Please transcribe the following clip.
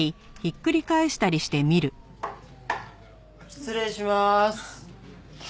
失礼しまーす。